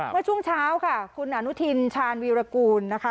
เมื่อช่วงเช้าค่ะคุณอนุทินชาญวีรกูลนะคะ